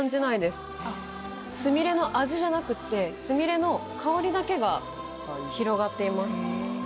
すみれの味じゃなくてすみれの香りだけが広がっています